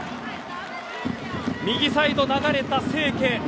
右サイド、流れた清家。